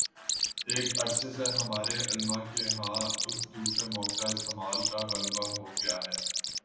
ایک عرصے سے ہمارے علما کے ہاں اس دوسرے موقعِ استعمال کا غلبہ ہو گیا ہے